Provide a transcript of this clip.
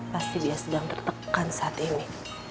pasti dia sedang tertekan saat ini